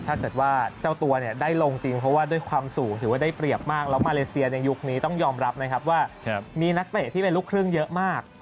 เจ้าตัวได้ลงจริงเพราะว่าภูมิสูงที่ได้เปรียบมาก